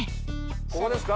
ここですか？